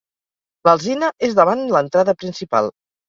L'alzina és davant l'entrada principal.